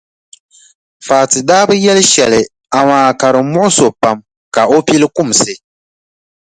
Fati daa bi yɛli shɛli amaa ka di muɣisi o pam ka o pili kumsi.